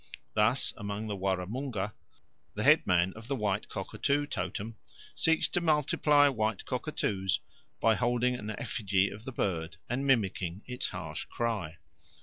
Thus among the Warramunga the headman of the white cockatoo totem seeks to multiply white cockatoos by holding an effigy of the bird and mimicking its harsh cry.